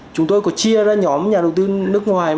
chúng tôi có chia ra nhóm nhà đầu tư nước ngoài